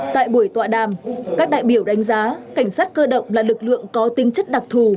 tại buổi tọa đàm các đại biểu đánh giá cảnh sát cơ động là lực lượng có tính chất đặc thù